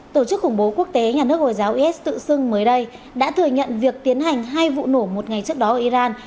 tổ chức khủng bố quốc tế nhà nước hồi giáo is tự xưng mới đây đã thừa nhận việc tiến hành hai vụ nổ một ngày trước đó ở iran